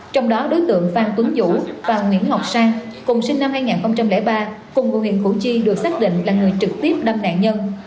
trong đó đối tượng phan tuấn vũ và nguyễn ngọc sang cùng sinh năm hai nghìn ba cùng ngụ huyện củ chi được xác định là người trực tiếp đâm nạn nhân